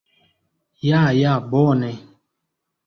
Ja ja bone